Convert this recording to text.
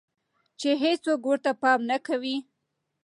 چې هيڅوک ورته پام نۀ کوي